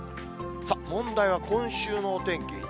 さあ、問題は今週のお天気。